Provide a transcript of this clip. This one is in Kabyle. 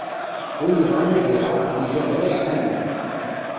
Win ibɣan ad iraɛ, ad d-ijab ala ccḥani.